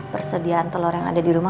persediaan telur yang ada di rumah